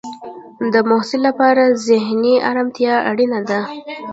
د محصل لپاره ذهنی ارامتیا اړینه ده.